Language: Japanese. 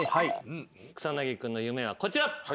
草薙君の夢はこちら。